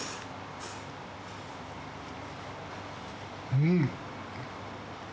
うん。